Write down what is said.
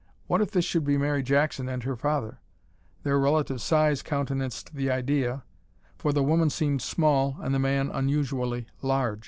What if this should be Mary Jackson and her father? Their relative size countenanced the idea, for the woman seemed small and the man unusually large.